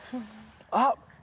あっ！